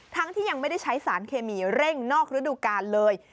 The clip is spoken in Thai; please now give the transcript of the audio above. ที่ยังไม่ได้ใช้สารเคมีเร่งนอกระดูกาลเลย